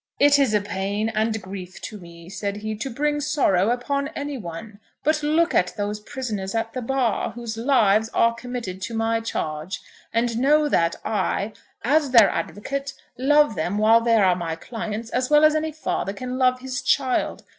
"It is a pain and grief to me," said he, "to bring sorrow upon any one. But look at those prisoners at the bar, whose lives are committed to my charge, and know that I, as their advocate, love them while they are my clients as well as any father can love his child.